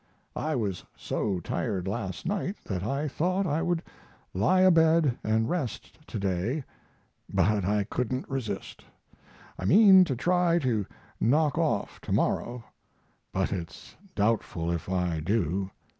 I was so tired last night that I thought I would lie abed and rest to day; but I couldn't resist. I mean to try to knock off tomorrow, but it's doubtful if I do.